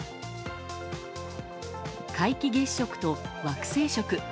皆既月食と惑星食。